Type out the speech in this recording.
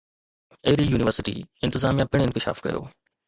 ايري university انتظاميا پڻ انڪشاف ڪيو